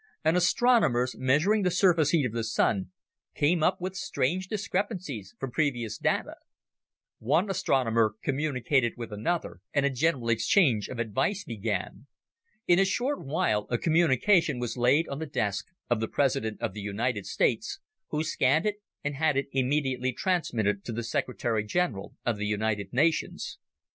And astronomers, measuring the surface heat of the Sun, came up with strange discrepancies from previous data. One astronomer communicated with another, and a general exchange of advice began. In a short while, a communication was laid on the desk of the President of the United States, who scanned it and had it immediately transmitted to the Secretary General of the United Nations.